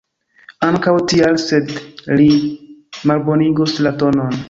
Ankaŭ tial, sed li malbonigus la tonon.